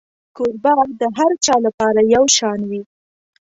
کوربه د هر چا لپاره یو شان وي.